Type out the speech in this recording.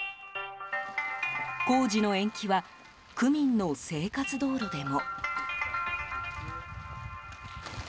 工事の延期は区民の生活道路でも。